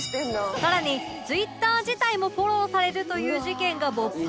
さらに Ｔｗｉｔｔｅｒ 自体もフォローされるという事件が勃発